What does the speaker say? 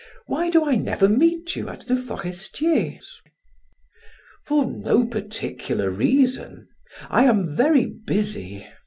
Why do I never meet you at the Forestiers?" "For no particular reason. I am very busy.